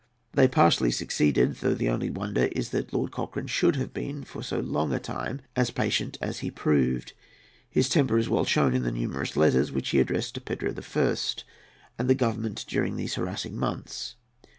They partly succeeded, though the only wonder is that Lord Cochrane should have been, for so long a time, as patient as he proved. His temper is well shown in the numerous letters which he addressed to Pedro I. and the Government during these harassing months.